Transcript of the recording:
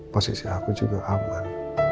posisi aku juga aman